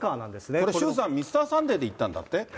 これ、周さん、ミスターサンデーで行ったんだって？